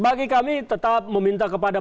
bagi kami tetap meminta kepada